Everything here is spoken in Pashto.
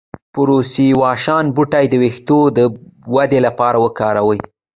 د پرسیاوشان بوټی د ویښتو د ودې لپاره وکاروئ